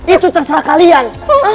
itu terserah kalian